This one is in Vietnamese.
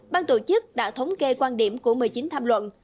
ban tổ chức đã thống kê quan điểm của một mươi chín tham luận